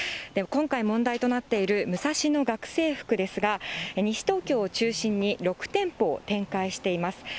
今回問題となっているムサシノ学生服ですが、西東京を中心に６店舗を展開しています。